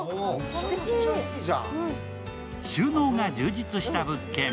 収納が充実した物件。